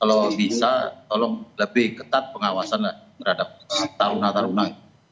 kalau bisa tolong lebih ketat pengawasan terhadap taruna taruna